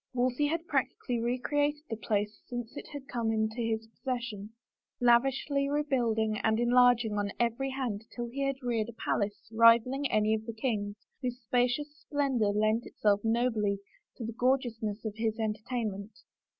Wolsey had practically re created the place since it had come into his possession, lavishly rebuilding and enlarging on every hand till he had reared a palace rivaling any of the king's, whose spacious splendor lent itself nobly to the gorgeousness of his entertainment.